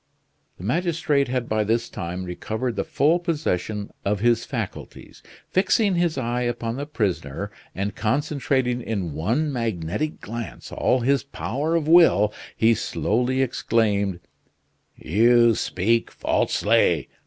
The magistrate had by this time recovered the full possession of his faculties. Fixing his eyes upon the prisoner and concentrating in one magnetic glance all his power of will, he slowly exclaimed: "You speak falsely!